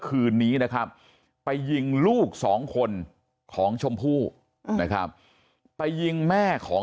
คืนนี้นะครับไปยิงลูกสองคนของชมพู่นะครับไปยิงแม่ของ